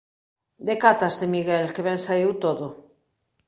Decátaste, Miguel, que ben saíu todo.